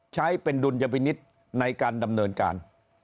ใช้เป็นดุลยพินิษฐ์ในการดำเนินการ